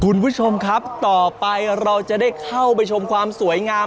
คุณผู้ชมครับต่อไปเราจะได้เข้าไปชมความสวยงาม